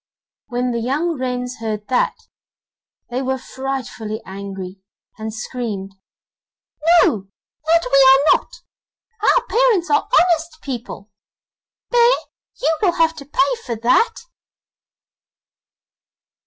When the young wrens heard that, they were frightfully angry, and screamed: 'No, that we are not! Our parents are honest people! Bear, you will have to pay for that!